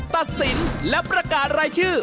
ตัดสินและประกาศรายชื่อ